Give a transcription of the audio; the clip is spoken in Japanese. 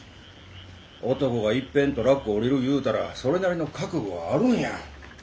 男がいっぺんトラック降りる言うたらそれなりの覚悟があるんや。